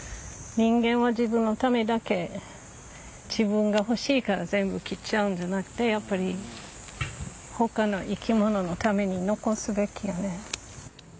人間は自分のためだけ自分が欲しいから全部切っちゃうんじゃなくてやっぱり他の生き物のために残すべきやね。